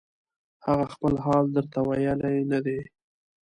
هغه خپل حال درته ویلی نه دی